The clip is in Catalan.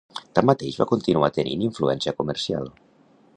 Tanmateix va continuar tenint influència comercial.